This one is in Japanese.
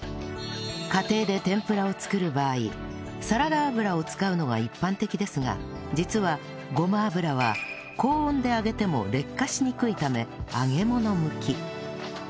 家庭で天ぷらを作る場合サラダ油を使うのが一般的ですが実はごま油は高温で揚げても劣化しにくいため揚げ物向き